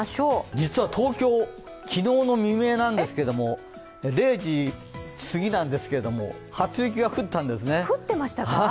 実は東京、昨日の未明なんですけれども、０時すぎなんですが初雪が降ったんですね。